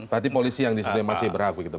berarti polisi yang di situ masih berhaku gitu